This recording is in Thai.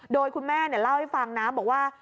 โดยคุณแม่เล่าให้ฟังนะบอกว่า